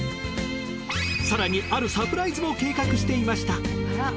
更にあるサプライズも計画していました。